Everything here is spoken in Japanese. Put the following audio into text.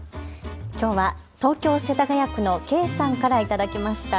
きょうは東京世田谷区のＫＥＩさんから頂きました。